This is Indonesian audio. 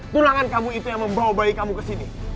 tulangan kamu itu yang membawa bayi kamu ke sini